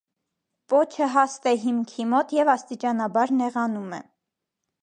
Պոչը հաստ է հիմքի մոտ և աստիճանաբար նեղանում է։